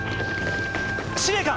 司令官！